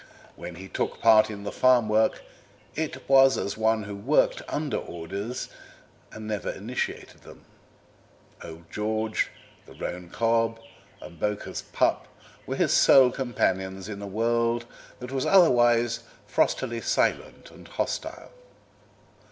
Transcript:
When he took part in the farm work it was as one who worked under orders and never initiated them. Old George, the roan cob, and Bowker's pup were his sole companions in a world that was otherwise frostily silent and hostile.